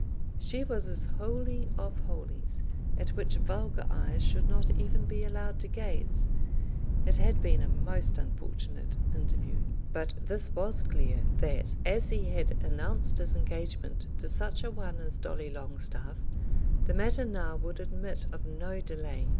She was his Holy of Holies, at which vulgar eyes should not even be allowed to gaze. It had been a most unfortunate interview. But this was clear; that, as he had announced his engagement to such a one as Dolly Longstaff, the matter now would admit of no delay.